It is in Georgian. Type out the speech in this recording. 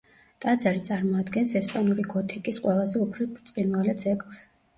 ტაძარი წარმოადგენს ესპანური გოთიკის ყველაზე უფრო ბრწყინვალე ძეგლს.